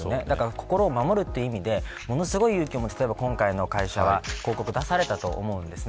心を守るという意味でものすごい勇気を持って今回の会社は広告を出されたと思うんです。